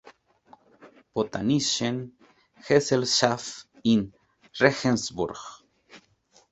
Botanischen Gesellschaft in Regensburg"